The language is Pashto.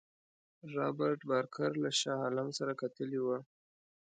رابرټ بارکر له شاه عالم سره کتلي وه.